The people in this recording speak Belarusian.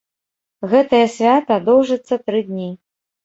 Гэтае свята доўжыцца тры дні.